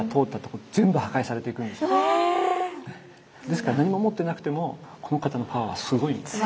ですから何も持ってなくてもこの方のパワーはすごいんです。